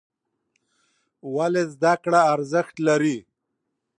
ولې زده کړه ارزښت لري؟